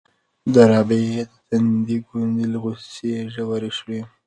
د رابعې د تندي ګونځې له غوسې ژورې شوې.